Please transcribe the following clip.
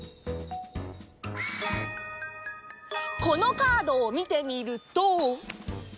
このカードをみてみると。